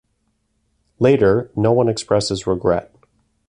Later, no one expresses regret.